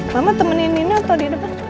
mama temenin ini atau di depan